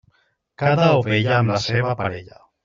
Cada ovella, amb la seua parella.